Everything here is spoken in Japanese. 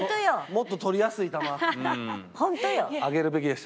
もっととりやすい球上げるべきでしたね。